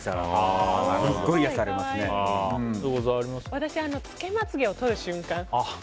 私、つけまつ毛をとる瞬間。